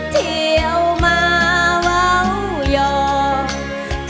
เที่ยวมาเว้ายอก